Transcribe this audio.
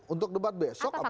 untuk debat besok apa lagi